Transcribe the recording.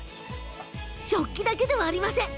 食器だけではありません。